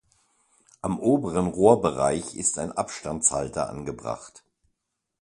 Am oberen Rohrbereich ist ein Abstandshalter angebracht.